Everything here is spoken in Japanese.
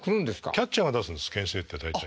キャッチャーが出すんですけん制って大体。